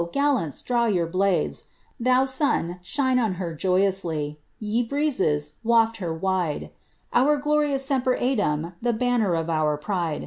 gallants, draw your blades 1 Ikoo son, shine on her joyously !— ye breezes, waA her wide l « hu glorious aemptr eadem — the banner of our pride